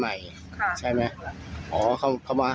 ใช่อ๋อไม่อยู่อย่างเงี้ยมันก็เหมือนอยู่ด้วยความระแวง